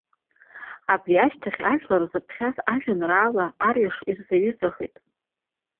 Абри ашьҭахь ажәлар зыԥхьаз ажәеинраала арҩаш ирзаҩызахеит.